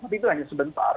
tapi itu hanya sebentar